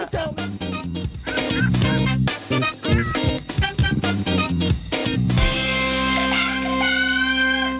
ไปเจอมาแล้วมาไม่บอกหรือเปล่าเนี่ย